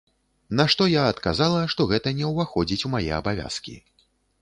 На што я адказала, што гэта не ўваходзіць у мае абавязкі.